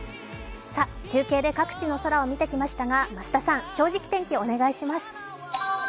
中継で各地の空を見てきましたが増田さん、「正直天気」お願いします。